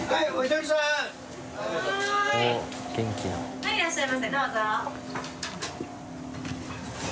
呂いらっしゃいませどうぞ。